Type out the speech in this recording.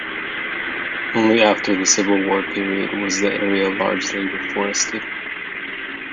Only after the Civil War period was the area largely reforested.